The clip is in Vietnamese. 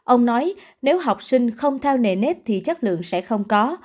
ông nói nếu học sinh không theo nề nếp thì chất lượng sẽ không có